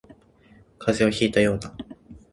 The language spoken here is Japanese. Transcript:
風邪をひいたようだ